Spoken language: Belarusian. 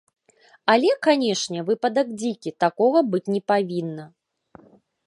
Але, канечне, выпадак дзікі, такога быць не павінна.